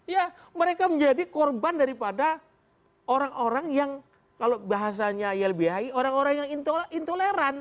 ya mereka menjadi korban daripada orang orang yang kalau bahasanya ilbhi orang orang yang intoleran